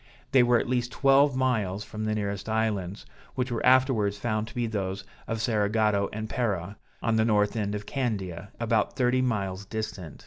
They were at least twelve miles from the nearest islands, which were afterwards found to be those of Cerigotto and Pera, on the north end of Candia, about thirty miles distant.